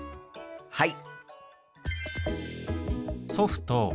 はい！